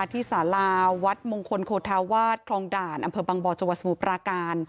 ที่สาราวัดมงคลโฆธาวาสคลองด่านอำเภอบังบอร์จวสมุพราการ